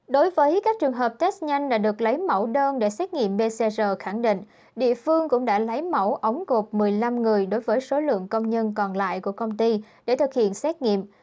đối với các trường hợp test nhanh đã được lấy mẫu đơn để xét nghiệm pcr khẳng định địa phương cũng đã lấy mẫu ống gộp một mươi năm người đối với số lượng công nhân còn lại của công ty để thực hiện xét nghiệm